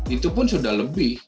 itu pun sudah lebih